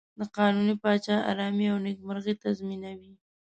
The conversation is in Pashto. د قانوني پاچا آرامي او نېکمرغي تضمینوي.